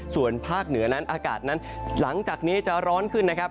ส่วนภาคเหนือนั้นอากาศนั้นหลังจากนี้จะร้อนขึ้นนะครับ